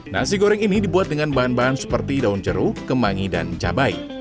nasi goreng ini dibuat dengan bahan bahan seperti daun jeruk kemangi dan cabai